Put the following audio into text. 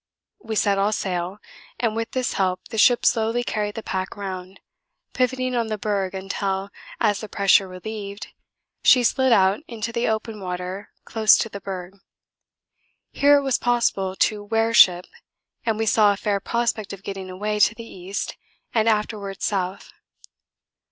We set all sail, and with this help the ship slowly carried the pack round, pivoting on the berg until, as the pressure relieved, she slid out into the open water close to the berg. Here it was possible to 'wear ship,' and we saw a fair prospect of getting away to the east and afterwards south.